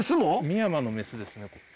ミヤマのメスですね。